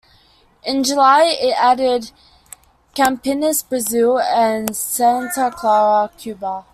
In July, it added Campinas, Brazil; and Santa Clara, Cuba.